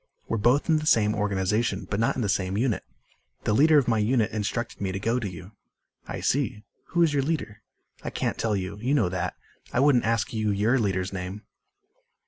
"We're both in the same organization but not in the same unit. The leader of my unit instructed me to go to you." "I see. Who is your leader?" "I can't tell you. You know that. I wouldn't ask you your leader's name."